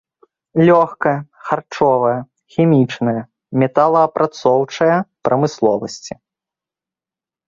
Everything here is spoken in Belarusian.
Лёгкая, харчовая, хімічная, металаапрацоўчая прамысловасці.